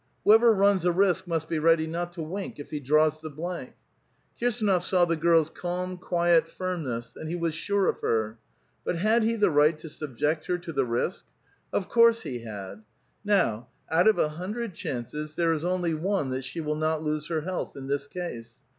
Whoever runs a risk must be ready not to wink if he draws the blank. Kirsdnof saw the girl's calm, quiet firmness, and he was sure of her. But had he the right to subject her to the risk? Of course he had. Now, out of a hundred chances, there is only one that she will not lose her health in this case.